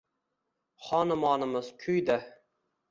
Xonumonimiz kuydi!